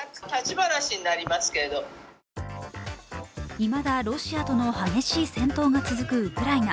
いまだロシアとの激しい戦闘が続くウクライナ。